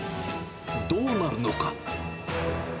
どうなるのか。